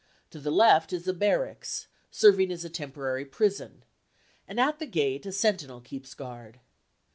To the left is the barracks serving as a temporary prison, and at the gate a sentinel keeps guard.